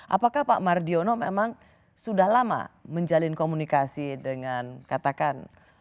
apakah pak mardiono memang sudah lama menjalin komunikasi dengan katakan